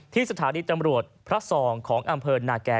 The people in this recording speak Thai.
ที่สถานีตำรวจพระ๒ของอำเภอนาแก่